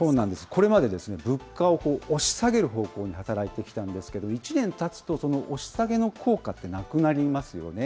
これまで、物価を押し下げる方向に働いてきたんですけれども、１年たつと、その押し下げの効果ってなくなりますよね。